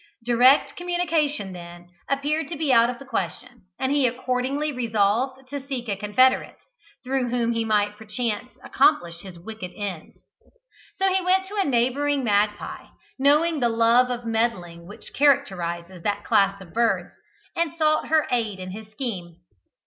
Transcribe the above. Direct communication, then, appeared to be out of the question; and he accordingly resolved to seek a confederate, through whom he might perchance accomplish his wicked ends. So he went to a neighbouring magpie, knowing the love of meddling which characterises that class of birds, and sought her aid in his scheme.